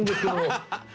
「アハハハ。